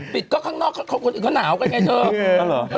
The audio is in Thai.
ปิดก็ข้างนอกแล้วเขานาวกันไงเถอะ